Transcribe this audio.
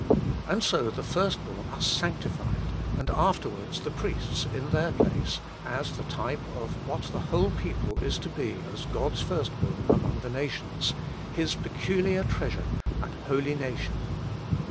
And so the first born are sanctified, and afterwards the priests in their place, as the type of what the whole people is to be as God's first born among the nations, His peculiar treasure, ' an holy nation.'